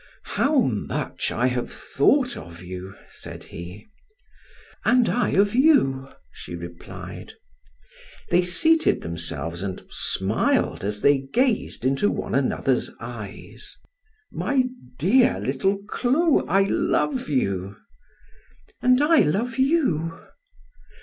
"How much I have thought of you," said he. "And I of you," she replied. They seated themselves and smiled as they gazed into one another's eyes. "My dear little Clo, I love you." "And I love you."